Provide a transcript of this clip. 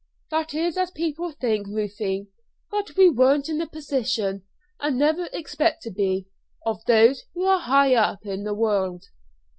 "That is as people think, Ruthie; but we weren't in the position, and never expect to be, of those who are high up in the world."